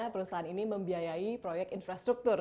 perusahaan ini membiayai proyek infrastruktur